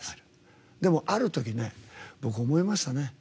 でも、あるときね僕、思いましたね。